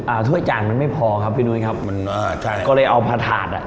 ถ้วยจานมันไม่พอครับพี่นุ้ยครับมันอ่าใช่ก็เลยเอาผ้าถาดอ่ะ